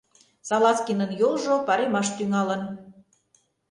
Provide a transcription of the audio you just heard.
Салазкинын йолжо паремаш тӱҥалын.